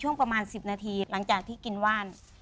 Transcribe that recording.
ช่วงประมาณ๑๐นาทีหลังจากที่กินว่าน